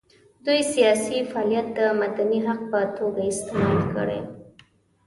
دوی سیاسي فعالیت د مدني حق په توګه استعمال کړي.